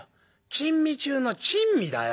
珍味中の珍味だよ。